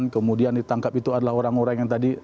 kemudian ditangkap itu adalah orang orang yang tadi